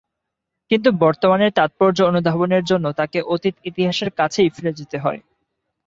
কিন্তু বর্তমানের তাৎপর্য অনুধাবনের জন্য তাকে অতীত ইতিহাসের কাছেই ফিরে যেতে হয়।